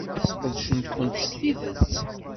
Sqedcen-kent s tidet.